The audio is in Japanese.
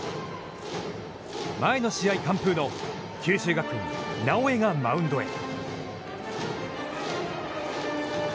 前の試合、完封の九州学院、直江がマウンドへ。